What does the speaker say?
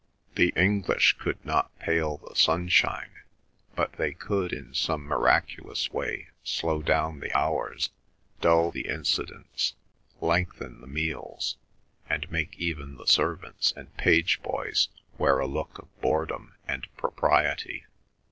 The English could not pale the sunshine, but they could in some miraculous way slow down the hours, dull the incidents, lengthen the meals, and make even the servants and page boys wear a look of boredom and propriety.